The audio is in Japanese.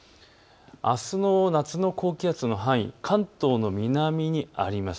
あすの夏の高気圧の範囲は関東の南にあります。